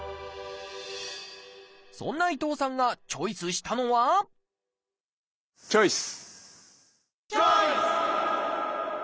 そんな伊藤さんがチョイスしたのはチョイス！